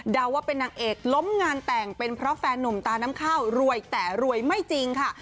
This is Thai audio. ว่าเป็นนางเอกล้มงานแต่งเป็นเพราะแฟนหนุ่มตาน้ำข้าวรวยแต่รวยไม่จริงค่ะ